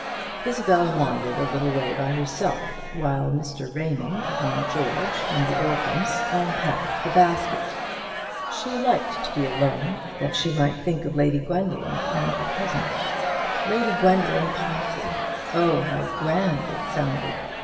Isabel wandered a little way by herself, while Mr. Raymond and George and the orphans unpacked the basket. She liked to be alone, that she might think of Lady Gwendoline and her cousin. Lady Gwendoline Pomphrey oh, how grand it sounded!